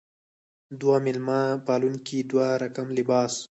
دوه میلمه پالونکې دوه رقم لباس.